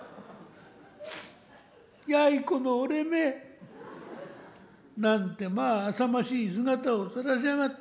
「やいこの俺め。なんてまああさましい姿をさらしやがって。